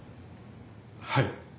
はい。